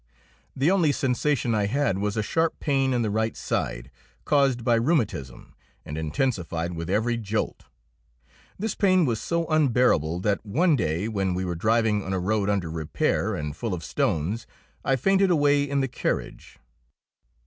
The only sensation I had was a sharp pain in the right side, caused by rheumatism, and intensified with every jolt. This pain was so unbearable that one day, when we were driving on a road under repair and full of stones, I fainted away in the carriage.